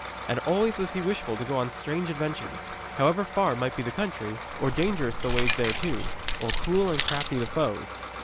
And always was he wishful to go on strange adventures, however far might be the country, or dangerous the ways thereto, or cruel and crafty the foes.